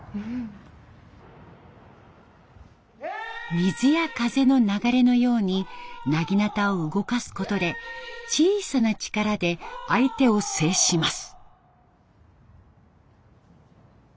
水や風の流れのようになぎなたを動かすことで小さな力で相手を制します。